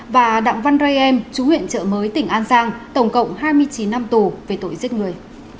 và đặng văn ray em chú huyện trợ mới tỉnh an giang tổng cộng hai mươi chín năm tù về tội giết người